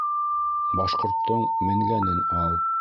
Башҡорттоң менгәнен ал.